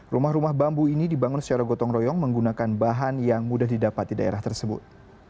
rumah rumah bambu ini dibangun secara gotong royong menggunakan bahan yang mudah didapati daerah tersebut